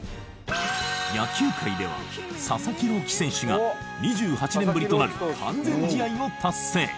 野球界では佐々木朗希選手が２８年ぶりとなる完全試合を達成。